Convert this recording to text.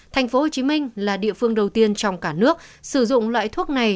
tp hcm là địa phương đầu tiên trong cả nước sử dụng loại thuốc này